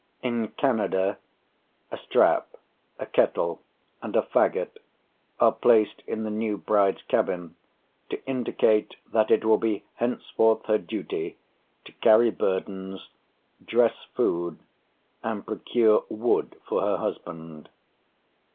In Canada a strap, a kettle, and a faggot are placed in the new bride's cabin, to indicate that it will be henceforth her duty to carry burdens, dress food, and procure wood for her husband.